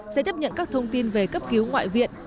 sẽ tiếp nhận các thông tin về cấp cứu ngoại viện